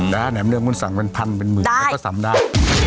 แต่แหน่มเนื้อคุณสั่งเป็นพันเป็นหมื่นก็ทำได้